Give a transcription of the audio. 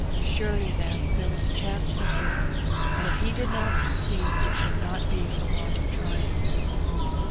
Surely, then, there was a chance for him, and if he did not succeed it should not be for want of trying.